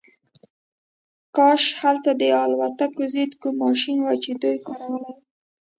کاش هلته د الوتکو ضد کوم ماشین وای چې دی کارولی وای